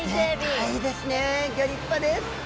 でっかいですねギョ立派です。